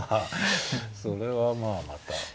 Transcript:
それはまあまた。